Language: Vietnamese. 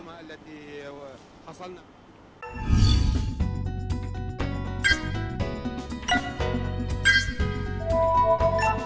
cảm ơn các bạn đã theo dõi và hẹn gặp lại